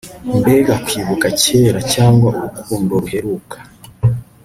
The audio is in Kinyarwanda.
Mbega kwibuka kera cyangwa urukundo ruheruka